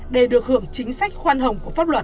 để được hưởng chính sách khoan hồng của pháp luật